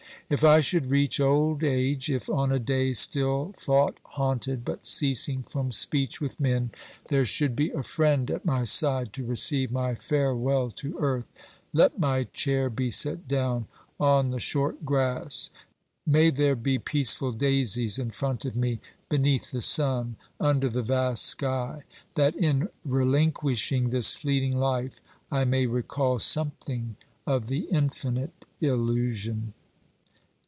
If I should reach old age, if, on a day, still thought haunted, but ceasing from speech with men, there should OBERMANN 403 be a friend at my side to receive my farewell to earth, let my chair be set down on the short grass, may there be peaceful daisies in front of me, beneath the sun, under the vast sky, that in relinquishing this fleeting life I may recall something of the infinite illusion.